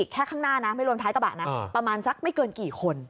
แค่ข้างหน้านะไม่รวมท้ายกระบะนะประมาณสักไม่เกินกี่คน